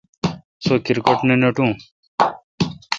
سو کرکٹ نہ ناٹو۔